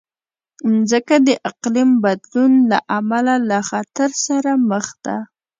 مځکه د اقلیم بدلون له امله له خطر سره مخ ده.